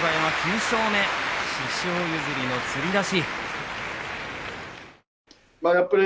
師匠譲りのつり出し。